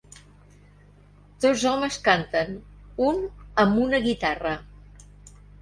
Dos homes canten, un amb una guitarra.